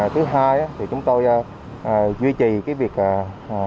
thứ hai chúng tôi duy trì việc hai